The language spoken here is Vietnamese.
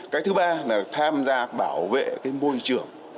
cái thứ ba là tham gia bảo vệ cái môi trường